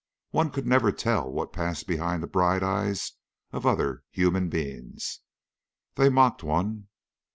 One could never tell what passed behind the bright eyes of other human beings. They mocked one.